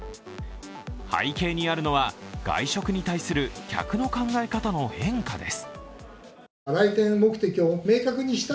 背景にあるのは外食に対する客の考え方の変化です。